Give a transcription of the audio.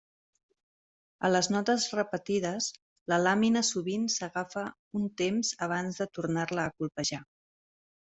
A les notes repetides, la làmina sovint s'agafa un temps abans de tornar-la a colpejar.